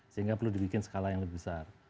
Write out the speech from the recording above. sehingga perlu dibikin skala yang lebih besar